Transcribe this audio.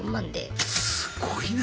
すごいな。